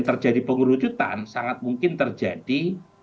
terjadi pengerucutan sangat mungkin terjadi